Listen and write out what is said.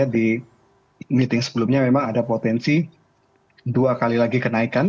di meeting sebelumnya memang ada potensi dua kali lagi kenaikan